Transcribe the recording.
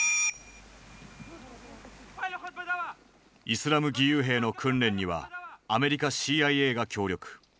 イスラム義勇兵の訓練にはアメリカＣＩＡが協力。